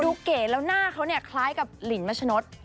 เก๋แล้วหน้าเขาเนี่ยคล้ายกับลินมัชนด